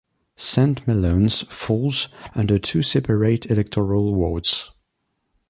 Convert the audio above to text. Saint Mellons falls under two separate electoral wards.